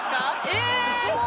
え？